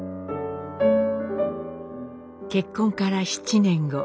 結婚から７年後。